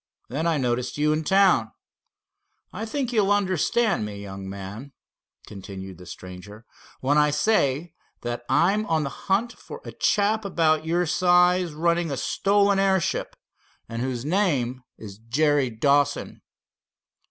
Then I noticed you in town. I think you'll understand me, young man," continued the stranger, "when I say that I'm on the hunt for a chap about your size running a stolen airship, and whose name is Jerry Dawson."